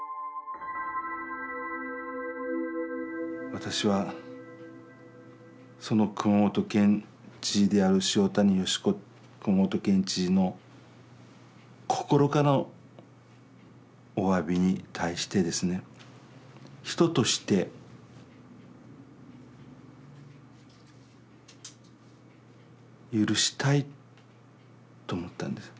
私は熊本県知事である潮谷義子熊本県知事の心からのおわびに対してですね人として。許したいと思ったんです。